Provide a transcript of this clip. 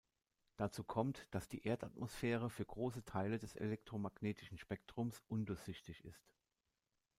Dazu kommt, dass die Erdatmosphäre für große Teile des elektromagnetischen Spektrums undurchsichtig ist.